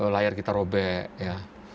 layar kita robek ya